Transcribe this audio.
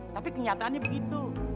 tapi kenyataannya begitu